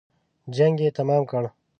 جنګ یې تمام کړ.